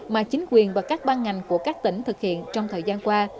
mà chính quyền và các ban ngành của các tỉnh thực hiện trong thời gian qua